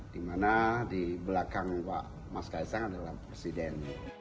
di mana di belakang pak mas kaisang adalah presiden